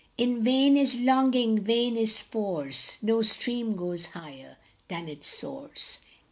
In vain is longing, vain is force ; No stream goes higher than its source.